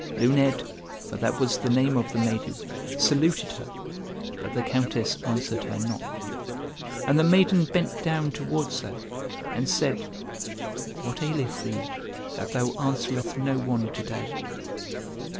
Luned, for that was the name of the maiden, saluted her, but the Countess answered her not. And the maiden bent down towards her, and said, "What aileth thee, that thou answereth no one to day?"